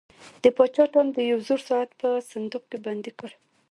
پاچا ټام د یو زوړ ساعت په صندوق کې بندي کړ.